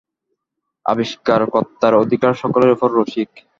আবিষ্কারকর্তার অধিকার সকলের উপর– রসিক।